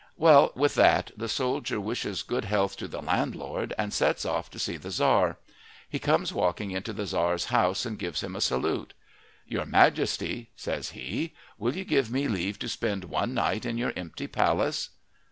Well, with that the soldier wishes good health to the landlord, and sets off to see the Tzar. He comes walking into the Tzar's house and gives him a salute. "Your Majesty," says he, "will you give me leave to spend one night in your empty palace?"